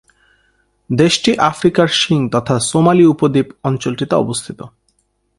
দেশটি "আফ্রিকার শিং" তথা সোমালি উপদ্বীপ অঞ্চলটিতে অবস্থিত।